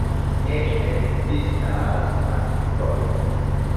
Ne ekzistas artikoloj.